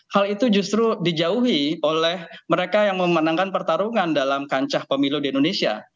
hal itu justru dijauhi oleh mereka yang memenangkan pertarungan dalam kancah pemilu di indonesia